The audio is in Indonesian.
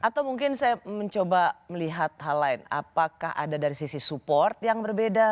atau mungkin saya mencoba melihat hal lain apakah ada dari sisi support yang berbeda